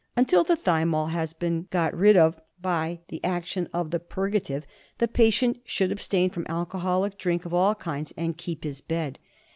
Until the thymol has been got rid of by the action of the pur gative the patient should abstain from alcoholic drink of all kinds and keep his bed.